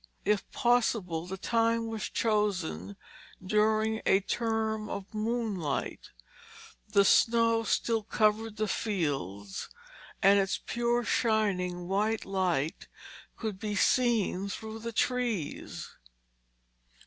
If possible, the time was chosen during a term of moonlight; the snow still covered the fields and its pure shining white light could be seen through the trees.